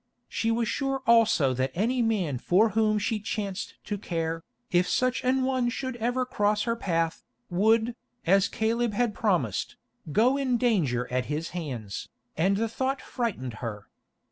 She was sure also that any man for whom she chanced to care, if such an one should ever cross her path, would, as Caleb had promised, go in danger at his hands, and the thought frightened her.